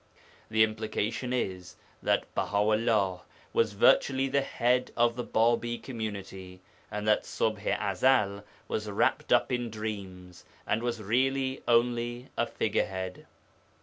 The implication is that Baha 'ullah was virtually the head of the Bābī community, and that Ṣubḥ i Ezel was wrapt up in dreams, and was really only a figurehead.